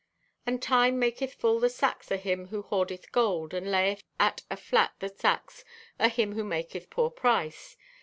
And time maketh full the sacks o' him who hoardeth gold, and layeth at aflat the sacks o' him who maketh poor price.